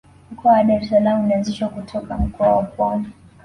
mkoa wa dar es salaam ulianzishwa kutoka mkoa wa pwani